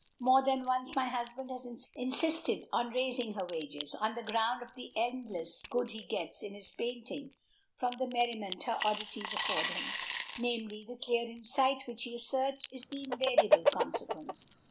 More than once my husband has insisted on raising her wages, on the ground of the endless good he gets in his painting from the merriment her oddities afford him, namely, the clear insight, which, he asserts, is the invariable consequence.